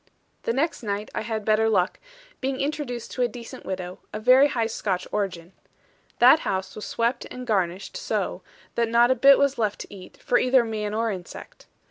The next night I had better luck, being introduced to a decent widow, of very high Scotch origin. That house was swept and garnished so, that not a bit was left to eat, for either man or insect.